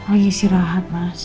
oh iya sih rahat mas